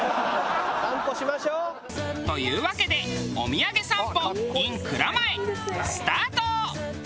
散歩しましょう。というわけでお土産散歩イン蔵前スタート！